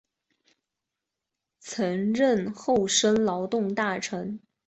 曾任厚生劳动大臣。